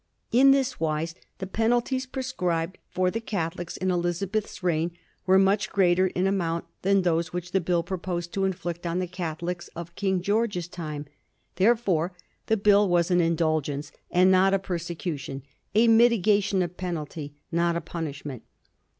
In this wise : the penalties prescribed for the Catholics in Elizabeth's reign were much greater in amount than those which the Bill proposed to inflict on the Catholics of King George's time ; there fore the Bill was an indulgence and not a persecu tion — a mitigation of penalty, not a punishment.